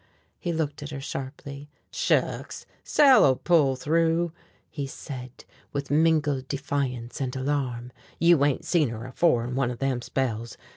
He looked at her sharply. "Shucks! Sal'll pull through," he said with mingled defiance and alarm. "You ain't saw her afore in one of them spells.